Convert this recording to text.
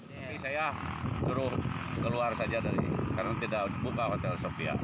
dari saya suruh keluar saja dari karena tidak buka hotel sofia